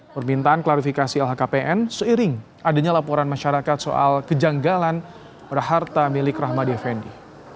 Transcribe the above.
permintaan klarifikasi lhkpn seiring adanya laporan masyarakat soal kejanggalan berharta milik rahmat effendi